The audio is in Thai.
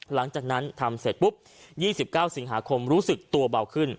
หลังจากนั้นทำเสร็จปุ๊บ๒๙สิงหาคมรู้สึกตัวเบาขึ้น